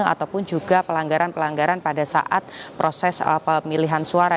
ataupun juga pelanggaran pelanggaran pada saat proses pemilihan suara